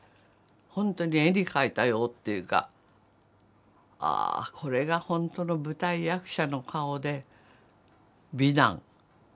本当に絵に描いたようっていうか「ああこれが本当の舞台役者の顔で美男」。